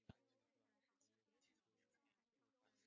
黑劳士制度是古希腊的斯巴达城邦的一种国有奴隶的制度。